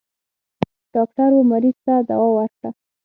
ډاکټر و مريض ته دوا ورکړه.